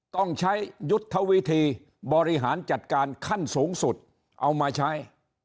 ต้องใช้ยุทธวิธีบริหารจัดการขั้นสูงสุดเอามาใช้